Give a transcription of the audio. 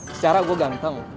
secara gue ganteng